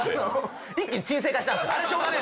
一気に沈静化したんですよ。